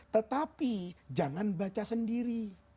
tetapi jangan baca sendiri